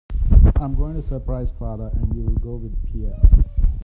I am going to surprise father, and you will go with Pierre.